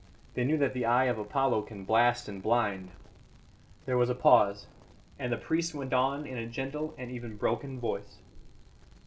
They knew that the eye of Apollo can blast and blind." There was a pause, and the priest went on in a gentle and even broken voice.